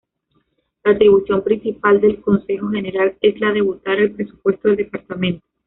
La atribución principal del Consejo General es la de votar el presupuesto del departamento.